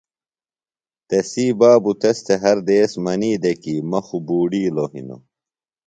تسی بابوۡ تس تھےۡ ہر دیس منی دےۡ کی مہ خُوۡ بُوڈِیلوۡ ہِنوۡ۔